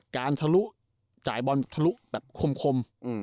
ทะลุจ่ายบอลทะลุแบบคม